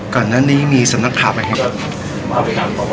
ก่อนนั้นนี้มีสำนักภาพไหมครับ